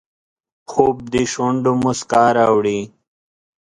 خوب د شونډو مسکا راوړي